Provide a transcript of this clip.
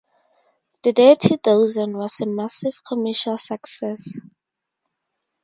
"The Dirty Dozen" was a massive commercial success.